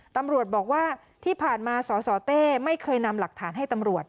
ตำรวจบอกว่าที่ผ่านมาสสเต้ไม่เคยนำหลักฐานให้ตำรวจ